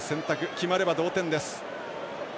決まれば同点です。